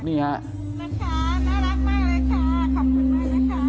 น่ารักมากเลยค่ะขอบคุณมากเลยค่ะ